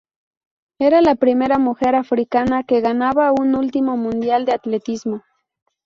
Era la primera mujer africana que ganaba un título mundial de atletismo.